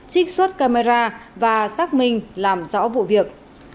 trích xuất camera và xác minh làm rõ vụ việc